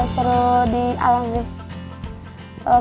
seru di alam sih